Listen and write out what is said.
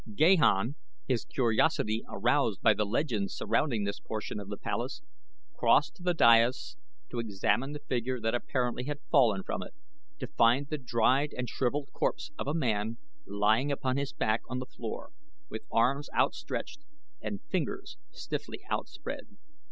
Gahan, his curiosity aroused by the legends surrounding this portion of the palace, crossed to the dais to examine the figure that apparently had fallen from it, to find the dried and shrivelled corpse of a man lying upon his back on the floor with arms outstretched and fingers stiffly outspread.